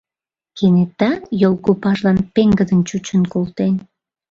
Кенета йолгопажлан пеҥгыдын чучын колтен.